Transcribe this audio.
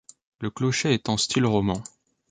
Le clocher est en style roman.